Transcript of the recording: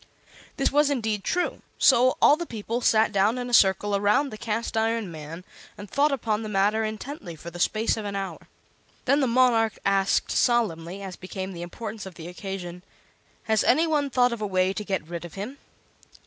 This was indeed true; so all the people sat down in a circle around the Cast iron Man and thought upon the matter intently for the space of an hour. Then the monarch asked, solemnly, as became the importance of the occasion: "Has any one thought of a way to get rid of him?"